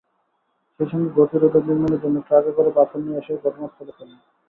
সেই সঙ্গে গতিরোধক নির্মাণের জন্য ট্রাকে করে পাথর নিয়ে এসে ঘটনাস্থলে ফেলেন।